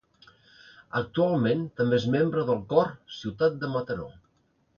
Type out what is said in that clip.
Actualment també és membre del Cor Ciutat de Mataró.